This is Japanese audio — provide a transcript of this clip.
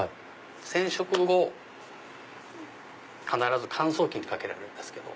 染色後必ず乾燥機にかけられるんですけど。